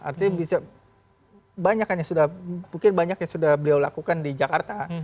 artinya bisa banyak hanya sudah mungkin banyak yang sudah beliau lakukan di jakarta